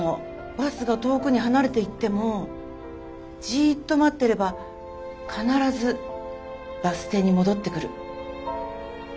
バスが遠くに離れていってもじっと待ってれば必ずバス停に戻ってくる。